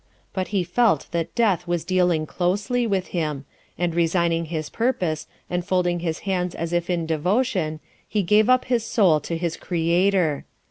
But he felt that death was dealing closely with him, and resigning his purpose, and folding his hands as if in devotion, he gave up his soul to his Creator.